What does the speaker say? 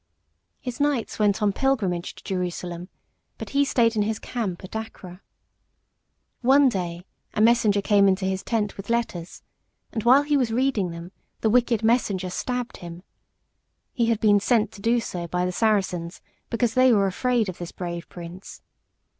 His knights went on pilgrimage to Jerusalem, but he stayed in his camp at Acre. One day a messenger came into his tent with letters, and while he was reading them the wicked messenger stabbed him. He had been sent to do so by the Saracens, because they were afraid of this brave prince.